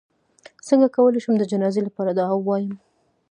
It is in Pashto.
څنګه کولی شم د جنازې لپاره دعا ووایم